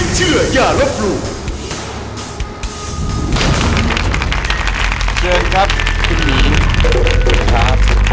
เชิญครับคุณหมี